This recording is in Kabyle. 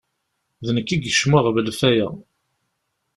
D nekk i yekcem uɣbel f aya.